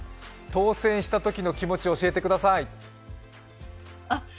当選したときの気持ちを教えてください。